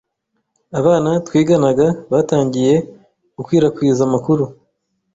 abana twiganaga batangiye gukwirakwiza amakuru